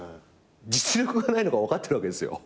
実力がないのが分かってるわけですよ